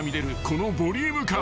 このボリューム感］